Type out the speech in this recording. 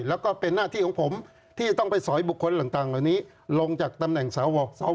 แล้วก็เป็นหน้าที่ของผมที่จะต้องไปสอยบุคคลต่างเหล่านี้ลงจากตำแหน่งสว